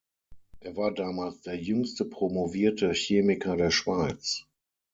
Er war damals der jüngste promovierte Chemiker der Schweiz.